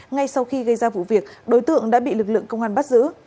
ngay sau khi gây ra vụ việc đối tượng đã bị lực lượng công an bắt giữ